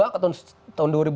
sembilan puluh dua ke tahun